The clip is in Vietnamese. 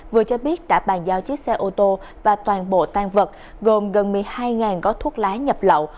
vừa cho biết đã bàn giao chiếc xe ô tô và toàn bộ tan vật gồm gần một mươi hai gói thuốc lá nhập lậu